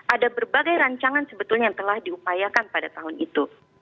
ada berbagai rancangan sebetulnya yang telah diupayakan pada tahun itu